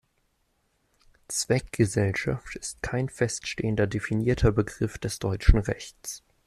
Zweckgesellschaft ist kein feststehender definierter Begriff des deutschen Rechts.